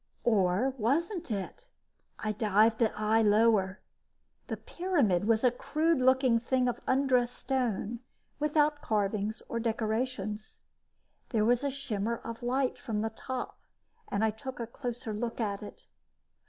Or wasn't it? I dived the eye lower. The pyramid was a crude looking thing of undressed stone, without carvings or decorations. There was a shimmer of light from the top and I took a closer look at it.